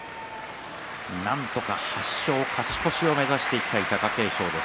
なんとか勝ち越しを目指していきたい貴景勝です。